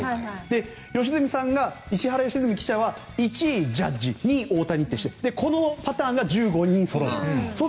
良純さんが、石原良純記者は１位大谷、２位ジャッジとしてこのパターンが１５人そろう。